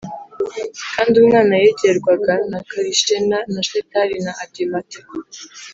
kandi umwami yegerwaga na Karishena na Shetari na Adimata